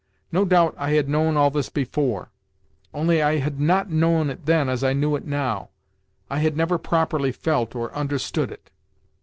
No doubt I had known all this before—only I had not known it then as I knew it now; I had never properly felt or understood it.